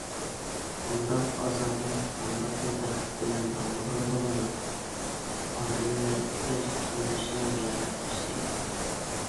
بۇنداق ئازابنى قانداقمۇ بەخت بىلەن باغلىغىلى بولىدۇ؟ ئادەملەر ئۆز تۇرمۇشىنىڭ ياراتقۇچىسى.